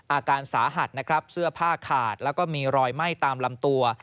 อาการสาหัสนะครับเสื้อผ้าขาดแล้วก็มีรอยไหม้ตามลำตัว